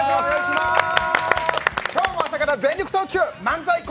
今日も朝から全力投球！